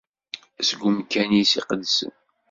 Seg umkan-is iqedsen.